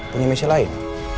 punya misi lain